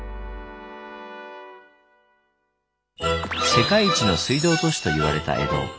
世界一の水道都市と言われた江戸。